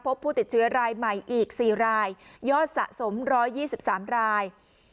พบผู้ติดเชื้อรายใหม่อีกสี่รายยอดสะสมร้อยยี่สิบสามราย